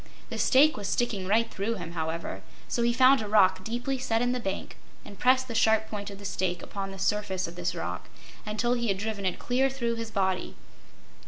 The stake was sticking right through him, however, so he found a rock deeply set in the bank and pressed the sharp point of the stake upon the surface of this rock until he had driven it clear through his body.